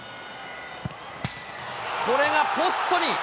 これがポストに。